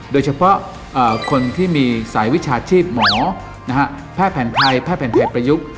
โดยเฉพาะคนที่มีสายวิชาชีพหมอแพทย์แผนไทยแพทย์แผ่นไทยประยุกต์